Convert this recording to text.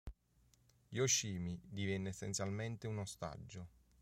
Yoshimi divenne essenzialmente un ostaggio.